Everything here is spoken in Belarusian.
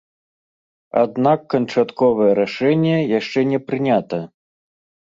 Аднак канчатковае рашэнне яшчэ не прынята.